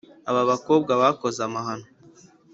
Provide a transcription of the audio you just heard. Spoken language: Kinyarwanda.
aba abakobwa bakoze amahano